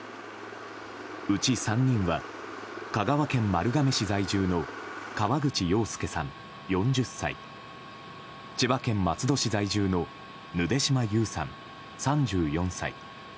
うち３人は、香川県丸亀市在住の河口洋介さん、４０歳千葉県松戸市在住のぬで島優さん、３４歳。